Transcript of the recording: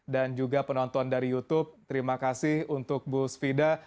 dan juga penonton dari youtube terima kasih untuk bu svida